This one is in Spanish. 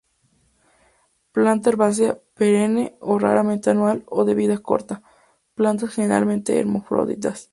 Planta herbácea perenne o raramente anual o de vida corta; plantas generalmente hermafroditas.